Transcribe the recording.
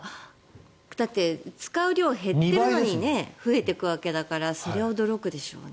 だって、使う量が減ってるのに増えていくわけだからそりゃあ驚くでしょうね。